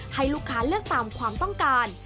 ให้ลูกค้าเลือกตามความต้องการ